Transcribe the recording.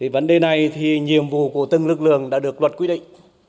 vấn đề này thì nhiệm vụ của từng lực lượng đã được luật quy định